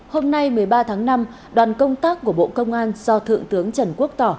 hôm nay một mươi ba tháng năm đoàn công tác của bộ công an do thượng tướng trần quốc tỏ